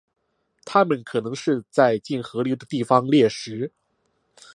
它们可能是在近河流的地方猎食。